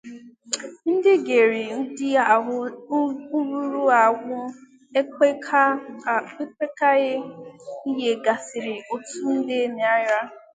Ndị ga-eri ndị ahụ nwụrụ anwụ ékpé ka e nyègasịrị otu nde naịra